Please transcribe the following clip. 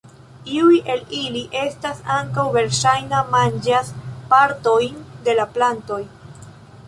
Iuj el ili estas ankaŭ verŝajna manĝas partojn de la plantoj.